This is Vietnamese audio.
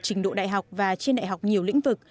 trình độ đại học và trên đại học nhiều lĩnh vực